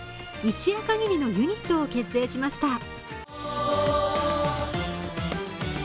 一夜限りのユニットを結成しました。